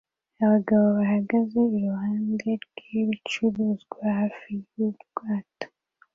Abagabo bahagaze iruhande rwibicuruzwa hafi yubwato